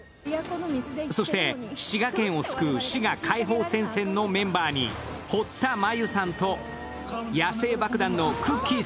そして滋賀県を救う滋賀解放戦線のメンバーに堀田真由さんと野性爆弾のくっきー！